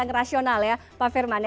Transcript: yang rasional ya pak firman